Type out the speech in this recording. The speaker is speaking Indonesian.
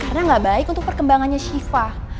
karena gak baik untuk perkembangannya siva